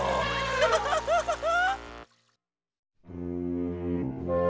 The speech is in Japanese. アハハハハハハ。